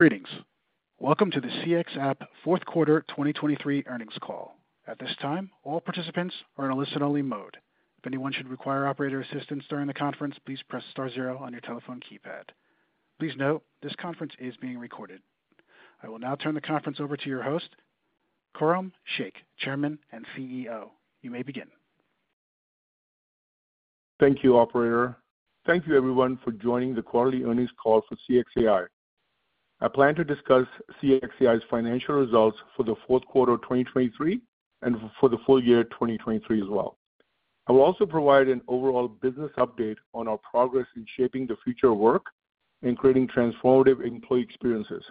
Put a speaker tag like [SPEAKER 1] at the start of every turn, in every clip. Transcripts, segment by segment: [SPEAKER 1] Greetings. Welcome to the CXApp fourth quarter 2023 earnings call. At this time, all participants are in a listen-only mode. If anyone should require operator assistance during the conference, please press star zero on your telephone keypad. Please note, this conference is being recorded. I will now turn the conference over to your host, Khurram Sheikh, Chairman and CEO. You may begin.
[SPEAKER 2] Thank you, Operator. Thank you, everyone, for joining the quarterly earnings call for CXAI. I plan to discuss CXAI's financial results for the fourth quarter 2023 and for the full year 2023 as well. I will also provide an overall business update on our progress in shaping the future of work and creating transformative employee experiences.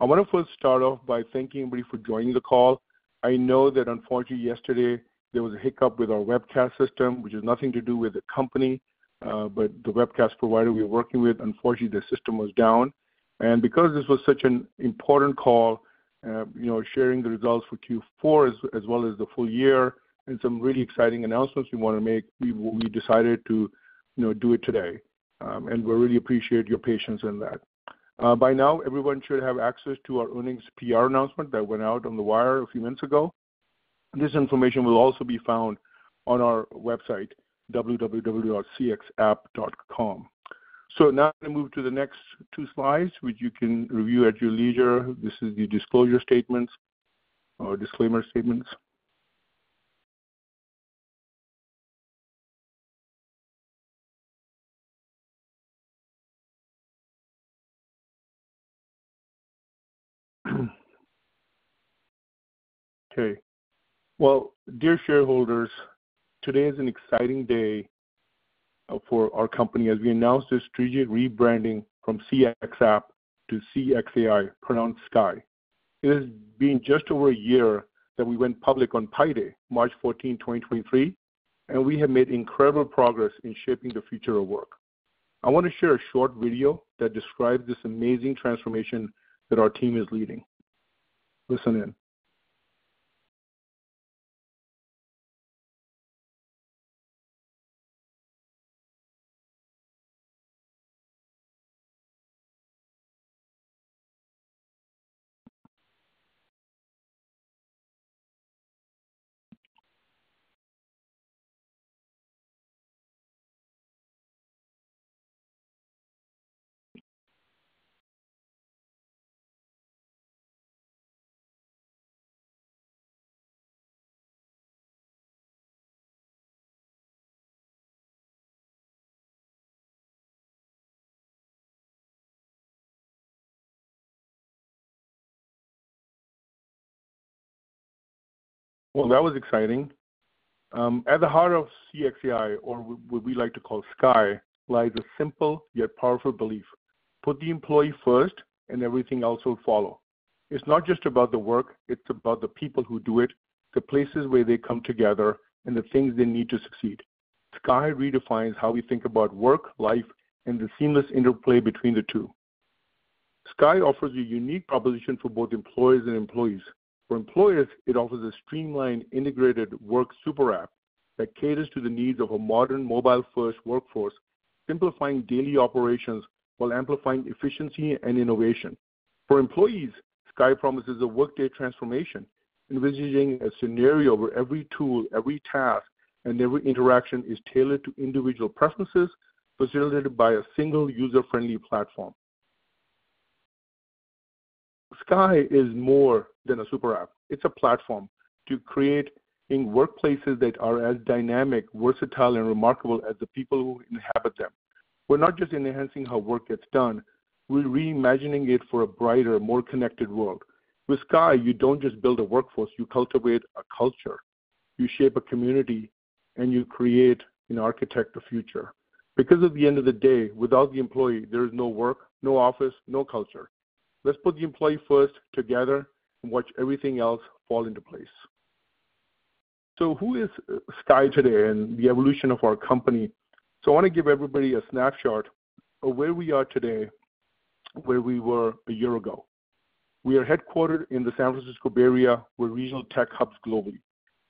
[SPEAKER 2] I want to first start off by thanking everybody for joining the call. I know that, unfortunately, yesterday there was a hiccup with our webcast system, which has nothing to do with the company, but the webcast provider we were working with, unfortunately, their system was down. Because this was such an important call, sharing the results for Q4 as well as the full year and some really exciting announcements we want to make, we decided to do it today. We really appreciate your patience in that. By now, everyone should have access to our earnings PR announcement that went out on the wire a few minutes ago. This information will also be found on our website, www.cxapp.com. So now I'm going to move to the next two slides, which you can review at your leisure. This is the disclosure statements or disclaimer statements. Okay. Well, dear shareholders, today is an exciting day for our company as we announce this strategic rebranding from CXApp to CXAI, pronounced Sky. It has been just over a year that we went public on Pi Day, March 14, 2023, and we have made incredible progress in shaping the future of work. I want to share a short video that describes this amazing transformation that our team is leading. Listen in. Well, that was exciting. At the heart of CXAI, or what we like to call CXAI, lies a simple yet powerful belief: put the employee first, and everything else will follow. It's not just about the work; it's about the people who do it, the places where they come together, and the things they need to succeed. CXAI redefines how we think about work, life, and the seamless interplay between the two. CXAI offers a unique proposition for both employers and employees. For employers, it offers a streamlined, integrated work super app that caters to the needs of a modern, mobile-first workforce, simplifying daily operations while amplifying efficiency and innovation. For employees, CXAI promises a workday transformation, envisioning a scenario where every tool, every task, and every interaction is tailored to individual preferences, facilitated by a single user-friendly platform. CXAI is more than a super app. It's a platform to create workplaces that are as dynamic, versatile, and remarkable as the people who inhabit them. We're not just enhancing how work gets done; we're reimagining it for a brighter, more connected world. With CXAI, you don't just build a workforce; you cultivate a culture. You shape a community, and you create an architect of the future. Because at the end of the day, without the employee, there is no work, no office, no culture. Let's put the employee first, together, and watch everything else fall into place. So who is CXAI today and the evolution of our company? So I want to give everybody a snapshot of where we are today, where we were a year ago. We are headquartered in the San Francisco Bay Area, where regional tech hubs globally.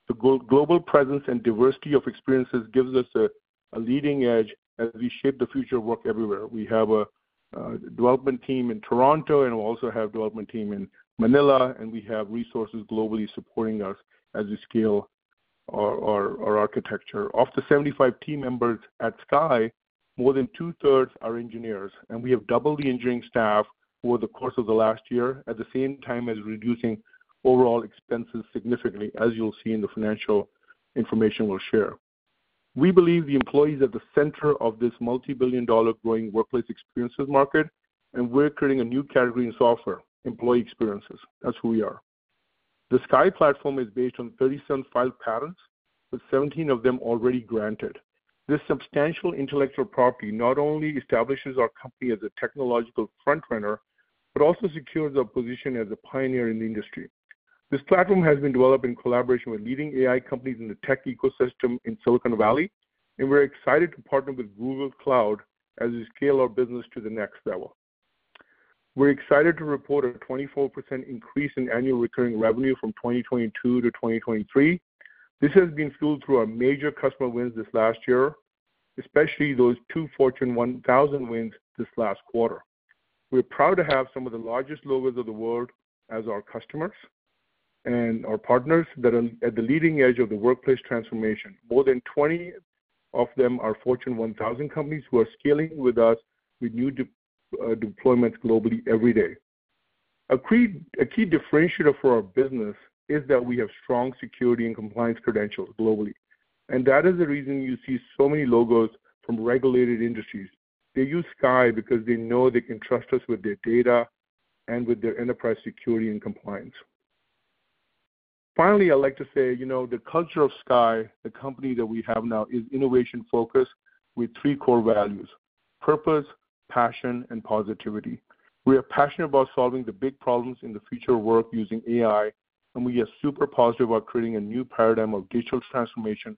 [SPEAKER 2] The global presence and diversity of experiences gives us a leading edge as we shape the future of work everywhere. We have a development team in Toronto, and we also have a development team in Manila, and we have resources globally supporting us as we scale our architecture. Of the 75 team members at CXAI, more than two-thirds are engineers, and we have doubled the engineering staff over the course of the last year, at the same time as reducing overall expenses significantly, as you'll see in the financial information we'll share. We believe the employee is at the center of this multi-billion-dollar growing workplace experiences market, and we're creating a new category in software: employee experiences. That's who we are. The CXAI platform is based on 37 filed patents, with 17 of them already granted. This substantial intellectual property not only establishes our company as a technological frontrunner but also secures our position as a pioneer in the industry. This platform has been developed in collaboration with leading AI companies in the tech ecosystem in Silicon Valley, and we're excited to partner with Google Cloud as we scale our business to the next level. We're excited to report a 24% increase in annual recurring revenue from 2022 to 2023. This has been fueled through our major customer wins this last year, especially those two Fortune 1000 wins this last quarter. We're proud to have some of the largest logos of the world as our customers and our partners that are at the leading edge of the workplace transformation. More than 20 of them are Fortune 1000 companies who are scaling with us with new deployments globally every day. A key differentiator for our business is that we have strong security and compliance credentials globally. That is the reason you see so many logos from regulated industries. They use CXAI because they know they can trust us with their data and with their enterprise security and compliance. Finally, I'd like to say the culture of CXAI, the company that we have now, is innovation-focused with three core values: purpose, passion, and positivity. We are passionate about solving the big problems in the future of work using AI, and we are super positive about creating a new paradigm of digital transformation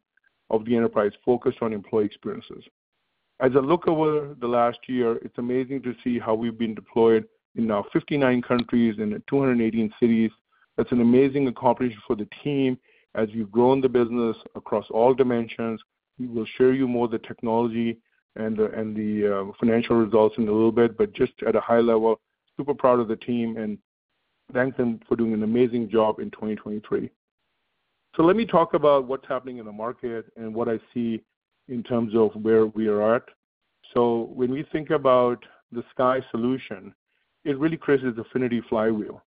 [SPEAKER 2] of the enterprise focused on employee experiences. As I look over the last year, it's amazing to see how we've been deployed in now 59 countries and 218 cities. That's an amazing accomplishment for the team as we've grown the business across all dimensions. We will share you more of the technology and the financial results in a little bit, but just at a high level, super proud of the team and thank them for doing an amazing job in 2023. Let me talk about what's happening in the market and what I see in terms of where we are at. When we think about the CXAI solution, it really creates this affinity flywheel.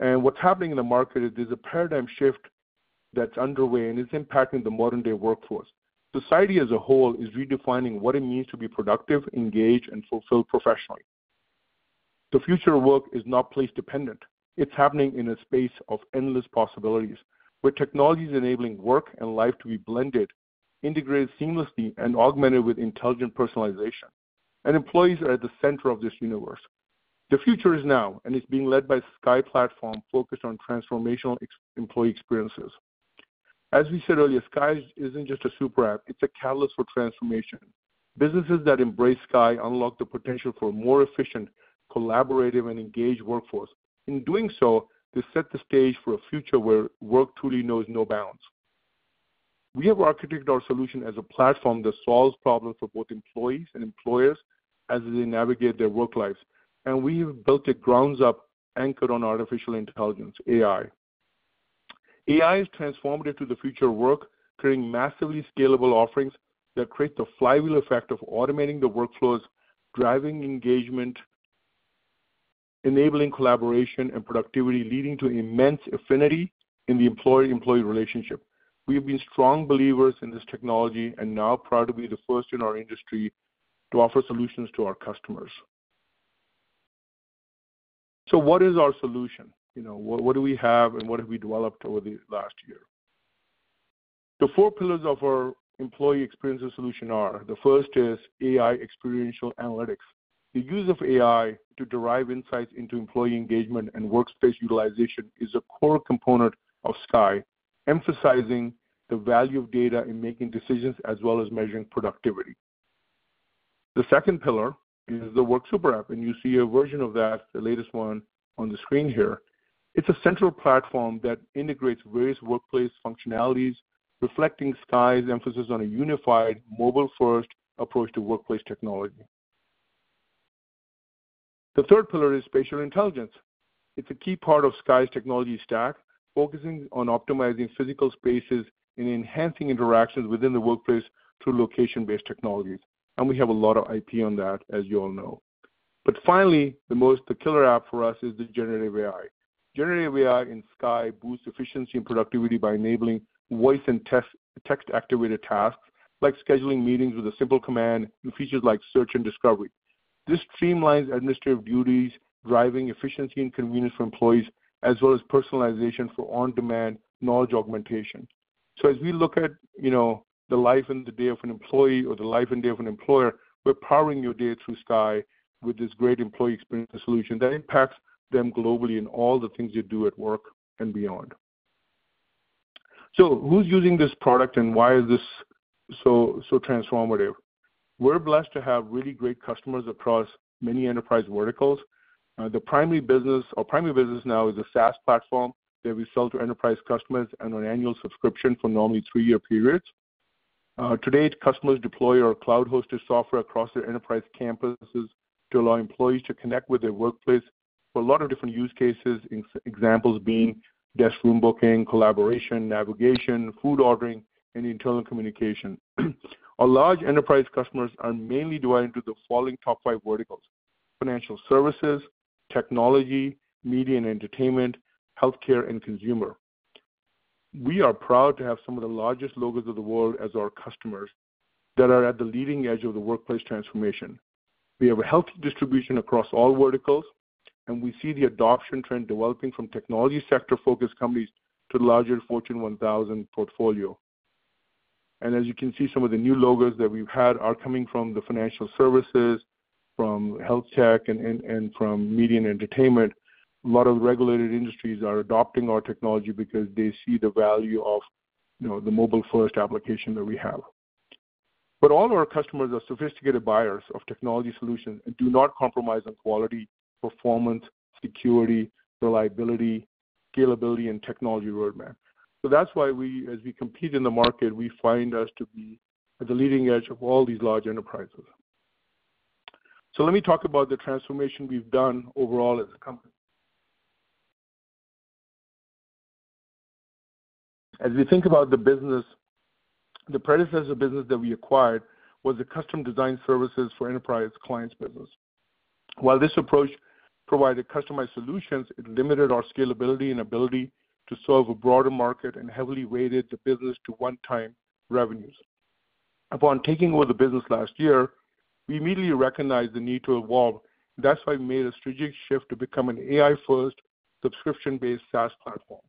[SPEAKER 2] What's happening in the market is there's a paradigm shift that's underway and is impacting the modern-day workforce. Society as a whole is redefining what it means to be productive, engaged, and fulfilled professionally. The future of work is not place-dependent. It's happening in a space of endless possibilities, where technology is enabling work and life to be blended, integrated seamlessly, and augmented with intelligent personalization. Employees are at the center of this universe. The future is now, and it's being led by the CXAI platform focused on transformational employee experiences. As we said earlier, CXAI isn't just a super app. It's a catalyst for transformation. Businesses that embrace CXAI unlock the potential for a more efficient, collaborative, and engaged workforce. In doing so, they set the stage for a future where work truly knows no bounds. We have architected our solution as a platform that solves problems for both employees and employers as they navigate their work lives. We have built a ground-up anchored on artificial intelligence, AI. AI is transformative to the future of work, creating massively scalable offerings that create the flywheel effect of automating the workflows, driving engagement, enabling collaboration, and productivity, leading to immense affinity in the employee-employee relationship. We have been strong believers in this technology and now proud to be the first in our industry to offer solutions to our customers. So what is our solution? What do we have, and what have we developed over the last year? The four pillars of our employee experiences solution are. The first is AI Experiential Analytics. The use of AI to derive insights into employee engagement and workspace utilization is a core component of CXAI, emphasizing the value of data in making decisions as well as measuring productivity. The second pillar is the Work SuperApp, and you see a version of that, the latest one, on the screen here. It's a central platform that integrates various workplace functionalities, reflecting CXAI's emphasis on a unified, mobile-first approach to workplace technology. The third pillar is Spatial Intelligence. It's a key part of CXAI's technology stack, focusing on optimizing physical spaces and enhancing interactions within the workplace through location-based technologies. We have a lot of IP on that, as you all know. Finally, the killer app for us is the Generative AI. Generative AI in CXAI boosts efficiency and productivity by enabling voice and text-activated tasks like scheduling meetings with a simple command and features like search and discovery. This streamlines administrative duties, driving efficiency and convenience for employees, as well as personalization for on-demand knowledge augmentation. As we look at the life and the day of an employee or the life and day of an employer, we're powering your day through CXAI with this great employee experience solution that impacts them globally in all the things you do at work and beyond. Who's using this product, and why is this so transformative? We're blessed to have really great customers across many enterprise verticals. Our primary business now is a SaaS platform that we sell to enterprise customers and an annual subscription for normally three-year periods. To date, customers deploy our cloud-hosted software across their enterprise campuses to allow employees to connect with their workplace for a lot of different use cases, examples being desk room booking, collaboration, navigation, food ordering, and internal communication. Our large enterprise customers are mainly divided into the following top five verticals: financial services, technology, media and entertainment, healthcare, and consumer. We are proud to have some of the largest logos of the world as our customers that are at the leading edge of the workplace transformation. We have a healthy distribution across all verticals, and we see the adoption trend developing from technology sector-focused companies to the larger Fortune 1000 portfolio. And as you can see, some of the new logos that we've had are coming from the financial services, from health tech, and from media and entertainment. A lot of regulated industries are adopting our technology because they see the value of the mobile-first application that we have. But all our customers are sophisticated buyers of technology solutions and do not compromise on quality, performance, security, reliability, scalability, and technology roadmap. So that's why we, as we compete in the market, find ourselves to be at the leading edge of all these large enterprises. So let me talk about the transformation we've done overall as a company. As we think about the business, the predecessor business that we acquired was the custom-designed services for enterprise clients' business. While this approach provided customized solutions, it limited our scalability and ability to serve a broader market and heavily weighted the business to one-time revenues. Upon taking over the business last year, we immediately recognized the need to evolve. That's why we made a strategic shift to become an AI-first, subscription-based SaaS platform.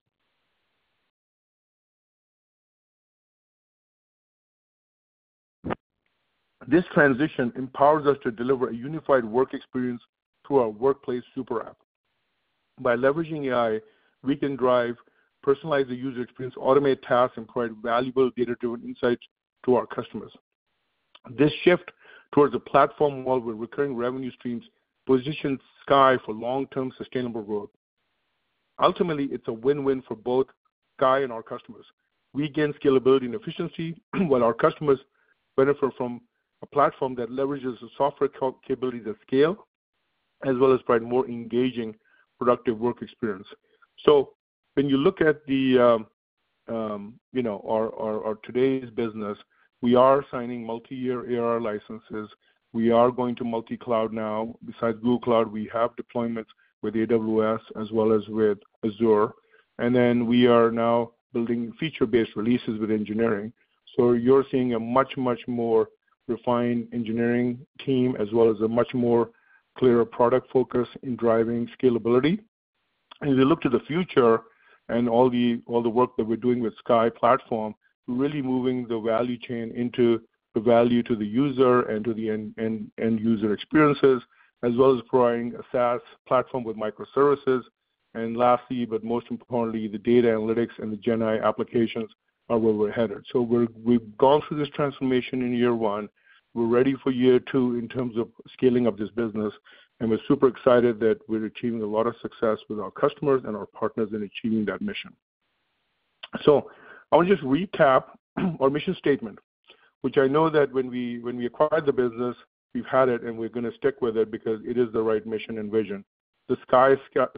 [SPEAKER 2] This transition empowers us to deliver a unified work experience through our workplace super app. By leveraging AI, we can drive, personalize the user experience, automate tasks, and provide valuable data-driven insights to our customers. This shift towards a platform model with recurring revenue streams positions CXAI for long-term, sustainable growth. Ultimately, it's a win-win for both CXAI and our customers. We gain scalability and efficiency while our customers benefit from a platform that leverages the software capabilities at scale as well as provides a more engaging, productive work experience. So when you look at our today's business, we are signing multi-year AR licenses. We are going to multi-cloud now. Besides Google Cloud, we have deployments with AWS as well as with Azure. And then we are now building feature-based releases with engineering. So you're seeing a much, much more refined engineering team as well as a much more clearer product focus in driving scalability. And as we look to the future and all the work that we're doing with the CXAI platform, we're really moving the value chain into the value to the user and to the end-user experiences as well as providing a SaaS platform with microservices. And lastly, but most importantly, the data analytics and the GenAI applications are where we're headed. So we've gone through this transformation in year one. We're ready for year two in terms of scaling up this business. We're super excited that we're achieving a lot of success with our customers and our partners in achieving that mission. I want to just recap our mission statement, which I know that when we acquired the business, we've had it, and we're going to stick with it because it is the right mission and vision. The CXAI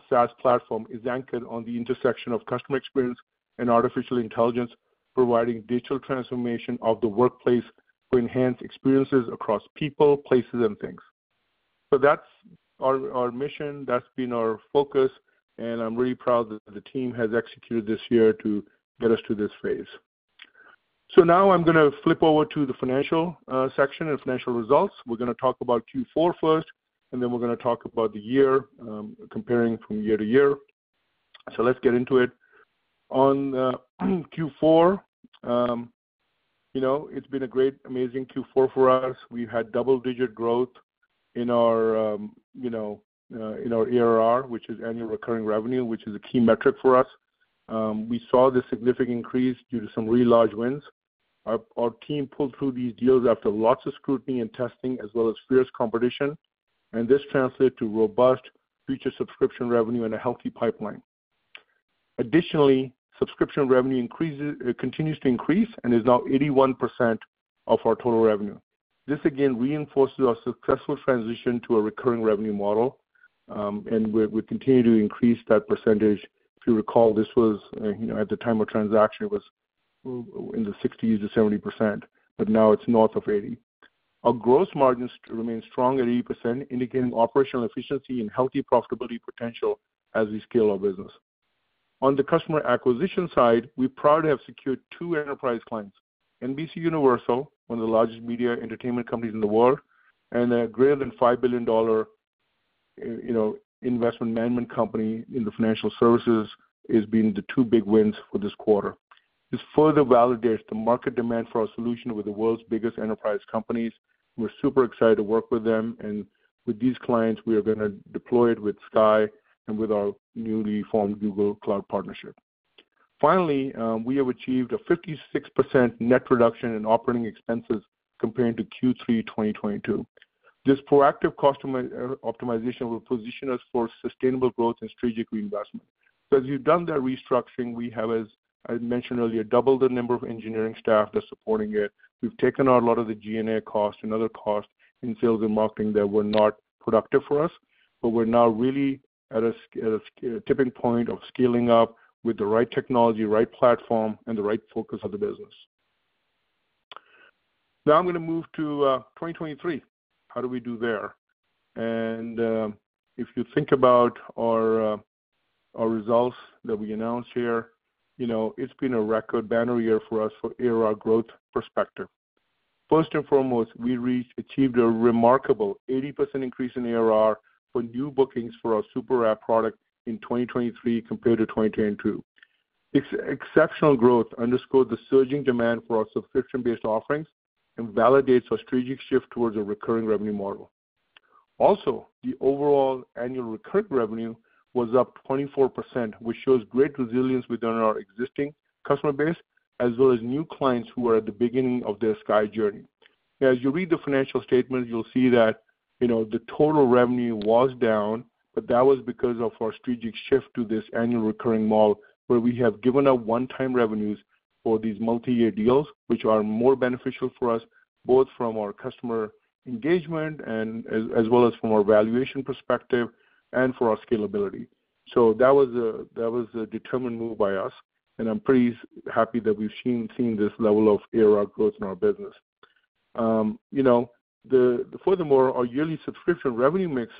[SPEAKER 2] SaaS platform is anchored on the intersection of customer experience and artificial intelligence, providing digital transformation of the workplace to enhance experiences across people, places, and things. That's our mission. That's been our focus. I'm really proud that the team has executed this year to get us to this phase. Now I'm going to flip over to the financial section and financial results. We're going to talk about Q4 first, and then we're going to talk about the year, comparing from year to year. So let's get into it. On Q4, it's been a great, amazing Q4 for us. We've had double-digit growth in our ARR, which is annual recurring revenue, which is a key metric for us. We saw this significant increase due to some really large wins. Our team pulled through these deals after lots of scrutiny and testing as well as fierce competition. And this translated to robust future subscription revenue and a healthy pipeline. Additionally, subscription revenue continues to increase and is now 81% of our total revenue. This, again, reinforces our successful transition to a recurring revenue model. And we continue to increase that percentage. If you recall, this was at the time of transaction, it was in the 60%-70%. But now it's north of 80%. Our gross margins remain strong at 80%, indicating operational efficiency and healthy profitability potential as we scale our business. On the customer acquisition side, we're proud to have secured two enterprise clients: NBCUniversal, one of the largest media entertainment companies in the world, and a greater than $5 billion investment management company in the financial services has been the two big wins for this quarter. This further validates the market demand for our solution with the world's biggest enterprise companies. We're super excited to work with them. With these clients, we are going to deploy it with CXAI and with our newly formed Google Cloud partnership. Finally, we have achieved a 56% net reduction in operating expenses compared to Q3 2022. This proactive cost optimization will position us for sustainable growth and strategic reinvestment. As we've done that restructuring, we have, as I mentioned earlier, doubled the number of engineering staff that's supporting it. We've taken out a lot of the G&A costs and other costs in sales and marketing that were not productive for us. But we're now really at a tipping point of scaling up with the right technology, right platform, and the right focus of the business. Now I'm going to move to 2023. How do we do there? And if you think about our results that we announced here, it's been a record banner year for us from an ARR growth perspective. First and foremost, we achieved a remarkable 80% increase in ARR for new bookings for our super app product in 2023 compared to 2022. This exceptional growth underscored the surging demand for our subscription-based offerings and validates our strategic shift towards a recurring revenue model. Also, the overall annual recurring revenue was up 24%, which shows great resilience within our existing customer base as well as new clients who are at the beginning of their CXAI journey. As you read the financial statements, you'll see that the total revenue was down, but that was because of our strategic shift to this annual recurring model where we have given up one-time revenues for these multi-year deals, which are more beneficial for us both from our customer engagement as well as from our valuation perspective and for our scalability. So that was a determined move by us. And I'm pretty happy that we've seen this level of ARR growth in our business. Furthermore, our yearly subscription revenue mix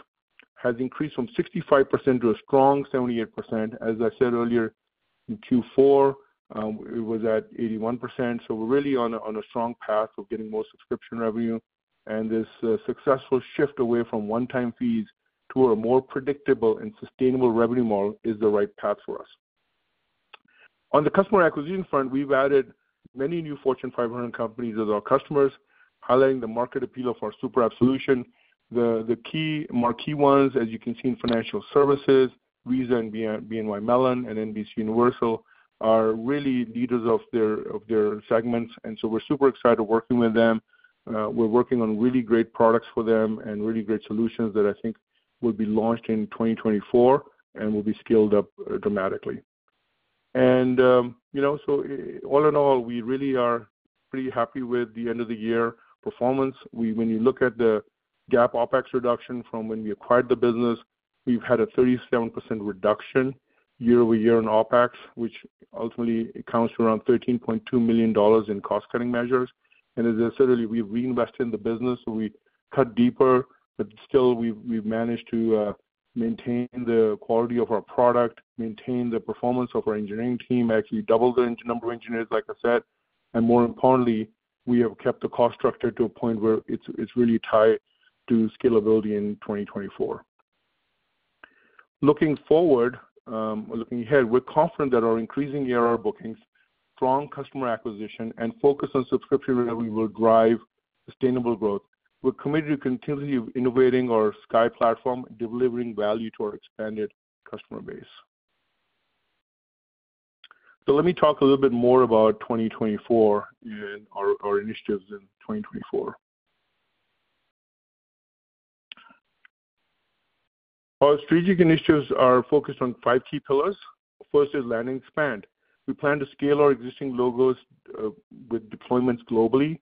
[SPEAKER 2] has increased from 65%-78%. As I said earlier, in Q4, it was at 81%. So we're really on a strong path of getting more subscription revenue. And this successful shift away from one-time fees to a more predictable and sustainable revenue model is the right path for us. On the customer acquisition front, we've added many new Fortune 500 companies as our customers, highlighting the market appeal of our super app solution. Our key ones, as you can see in financial services, Visa and BNY Mellon and NBCUniversal, are really leaders of their segments. And so we're super excited working with them. We're working on really great products for them and really great solutions that I think will be launched in 2024 and will be scaled up dramatically. And so all in all, we really are pretty happy with the end-of-the-year performance. When you look at the GAAP OpEx reduction from when we acquired the business, we've had a 37% reduction year-over-year in OpEx, which ultimately accounts for around $13.2 million in cost-cutting measures. As I said earlier, we've reinvested in the business. We cut deeper, but still, we've managed to maintain the quality of our product, maintain the performance of our engineering team, actually double the number of engineers, like I said. More importantly, we have kept the cost structure to a point where it's really tied to scalability in 2024. Looking forward or looking ahead, we're confident that our increasing ARR bookings, strong customer acquisition, and focus on subscription revenue will drive sustainable growth. We're committed to continually innovating our CXAI platform, delivering value to our expanded customer base. Let me talk a little bit more about 2024 and our initiatives in 2024. Our strategic initiatives are focused on five key pillars. First is Land and Expand. We plan to scale our existing logos with deployments globally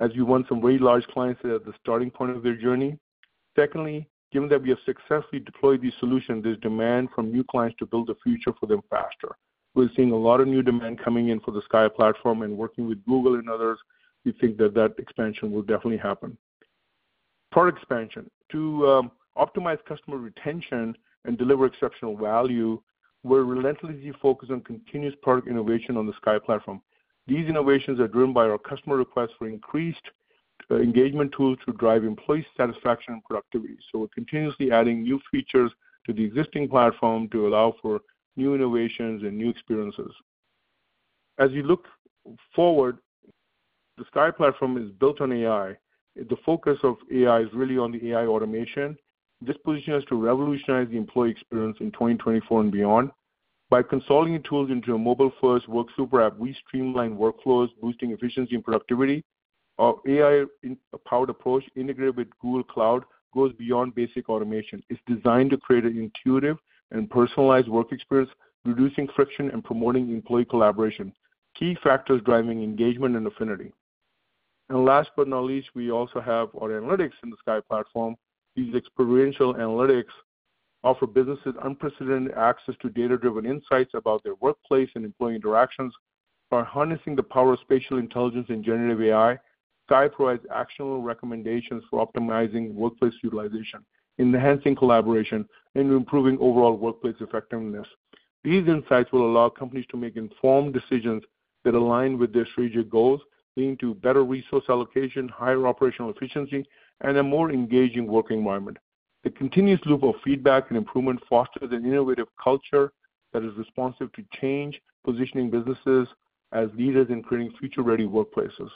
[SPEAKER 2] as we want some very large clients at the starting point of their journey. Secondly, given that we have successfully deployed these solutions, there's demand from new clients to build the future for them faster. We're seeing a lot of new demand coming in for the CXAI platform. Working with Google and others, we think that that expansion will definitely happen. Product expansion. To optimize customer retention and deliver exceptional value, we're relentlessly focused on continuous product innovation on the CXAI platform. These innovations are driven by our customer requests for increased engagement tools to drive employee satisfaction and productivity. We're continuously adding new features to the existing platform to allow for new innovations and new experiences. As you look forward, the CXAI platform is built on AI. The focus of AI is really on the AI automation. This positions us to revolutionize the employee experience in 2024 and beyond. By consolidating tools into a mobile-first work super app, we streamline workflows, boosting efficiency and productivity. Our AI-powered approach, integrated with Google Cloud, goes beyond basic automation. It's designed to create an intuitive and personalized work experience, reducing friction and promoting employee collaboration, key factors driving engagement and affinity. Last but not least, we also have our analytics in the CXAI platform. These experiential analytics offer businesses unprecedented access to data-driven insights about their workplace and employee interactions. By harnessing the power of spatial intelligence and generative AI, CXAI provides actionable recommendations for optimizing workplace utilization, enhancing collaboration, and improving overall workplace effectiveness. These insights will allow companies to make informed decisions that align with their strategic goals, leading to better resource allocation, higher operational efficiency, and a more engaging work environment. The continuous loop of feedback and improvement fosters an innovative culture that is responsive to change, positioning businesses as leaders and creating future-ready workplaces.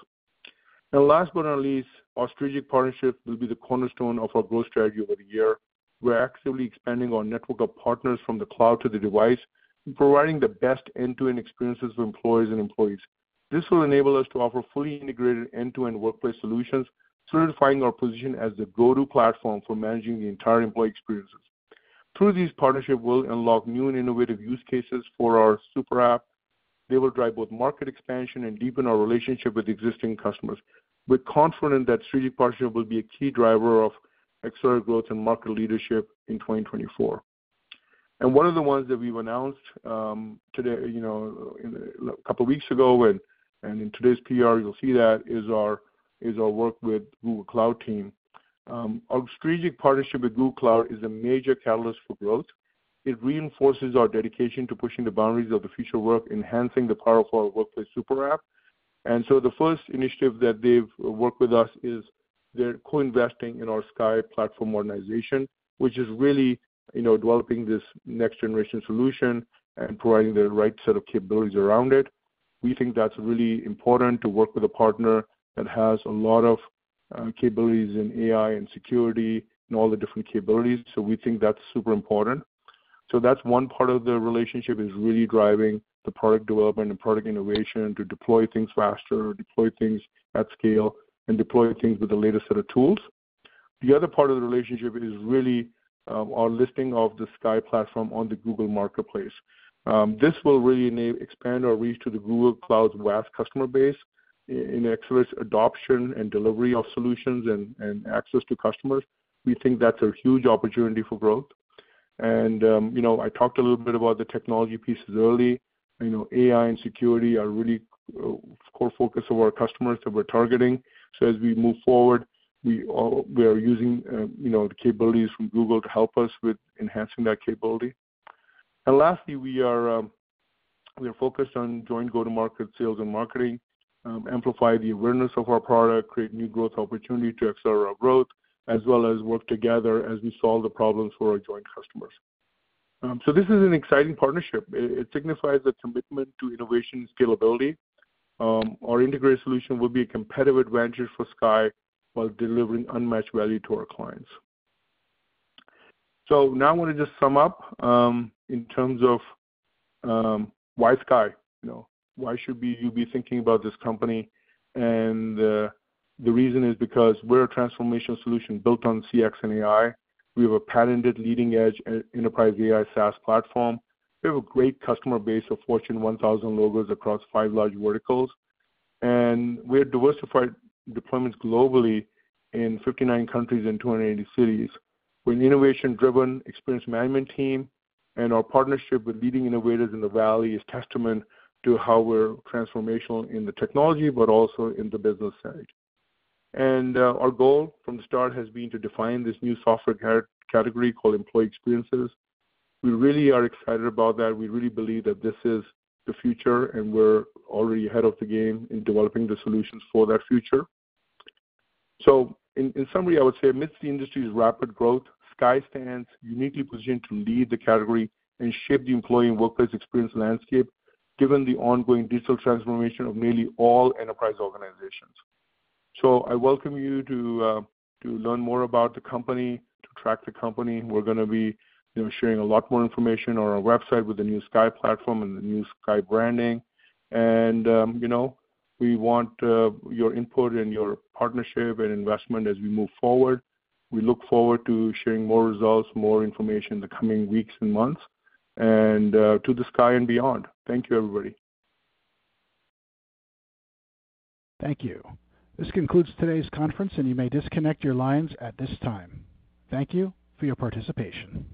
[SPEAKER 2] And last but not least, our strategic partnership will be the cornerstone of our growth strategy over the year. We're actively expanding our network of partners from the cloud to the device and providing the best end-to-end experiences for employees and employees. This will enable us to offer fully integrated end-to-end workplace solutions, solidifying our position as the go-to platform for managing the entire employee experiences. Through these partnerships, we'll unlock new and innovative use cases for our super app. They will drive both market expansion and deepen our relationship with existing customers. We're confident that strategic partnership will be a key driver of accelerated growth and market leadership in 2024. One of the ones that we've announced today a couple of weeks ago and in today's PR, you'll see that, is our work with Google Cloud team. Our strategic partnership with Google Cloud is a major catalyst for growth. It reinforces our dedication to pushing the boundaries of the future work, enhancing the power of our Work SuperApp. The first initiative that they've worked with us is they're co-investing in our CXAI platform modernization, which is really developing this next-generation solution and providing the right set of capabilities around it. We think that's really important to work with a partner that has a lot of capabilities in AI and security and all the different capabilities. We think that's super important. So that's one part of the relationship is really driving the product development and product innovation to deploy things faster, deploy things at scale, and deploy things with the latest set of tools. The other part of the relationship is really our listing of the CXAI platform on the Google Marketplace. This will really expand our reach to the Google Cloud's vast customer base in excellent adoption and delivery of solutions and access to customers. We think that's a huge opportunity for growth. And I talked a little bit about the technology pieces earlier. AI and security are really a core focus of our customers that we're targeting. So as we move forward, we are using the capabilities from Google to help us with enhancing that capability. And lastly, we are focused on joint go-to-market sales and marketing, amplify the awareness of our product, create new growth opportunities to accelerate our growth, as well as work together as we solve the problems for our joint customers. So this is an exciting partnership. It signifies a commitment to innovation and scalability. Our integrated solution will be a competitive advantage for CXAI while delivering unmatched value to our clients. So now I want to just sum up in terms of why CXAI. Why should you be thinking about this company? And the reason is because we're a transformational solution built on CX and AI. We have a patented leading-edge enterprise AI SaaS platform. We have a great customer base of Fortune 1000 logos across five large verticals. And we have diversified deployments globally in 59 countries and 280 cities. We're an innovation-driven experience management team. Our partnership with leading innovators in the valley is testament to how we're transformational in the technology but also in the business side. Our goal from the start has been to define this new software category called employee experiences. We really are excited about that. We really believe that this is the future, and we're already ahead of the game in developing the solutions for that future. In summary, I would say amidst the industry's rapid growth, CXAI stands uniquely positioned to lead the category and shape the employee and workplace experience landscape given the ongoing digital transformation of nearly all enterprise organizations. I welcome you to learn more about the company, to track the company. We're going to be sharing a lot more information on our website with the new CXAI platform and the new CXAI branding. We want your input and your partnership and investment as we move forward. We look forward to sharing more results, more information in the coming weeks and months. To the CXAI and beyond, thank you, everybody.
[SPEAKER 1] Thank you. This concludes today's conference, and you may disconnect your lines at this time. Thank you for your participation.